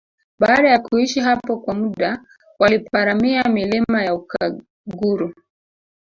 Baada ya kuishi hapo kwa muda waliparamia milima ya Ukaguru